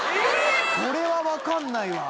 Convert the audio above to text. これは分かんないわ。